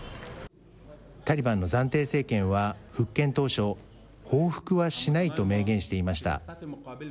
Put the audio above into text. タリバンの暫定政権は復権当初、報復はしないと明言していました。